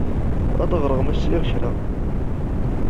Ad d-ɣreɣ ma sliɣ i kra.